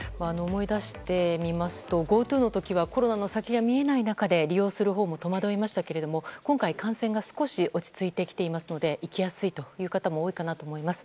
思い出してみますとＧｏＴｏの時はコロナの先が見えない中で利用するほうも戸惑いましたけど今回、感染が少し落ち着いてきていますので行きやすいという方も多いかなと思います。